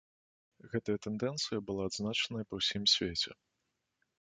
Гэтая тэндэнцыя была адзначаная па ўсім свеце.